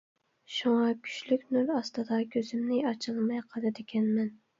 شۇڭا كۈچلۈك نۇر ئاستىدا كۆزۈمنى ئاچالماي قالدىكەنمەن.